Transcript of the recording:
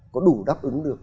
có đủ đáp ứng được